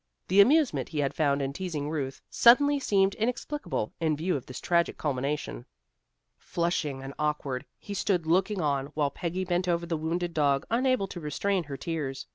The amusement he had found in teasing Ruth suddenly seemed inexplicable, in view of this tragic culmination. Flushing and awkward, he stood looking on while Peggy bent over the wounded dog, unable to restrain her tears.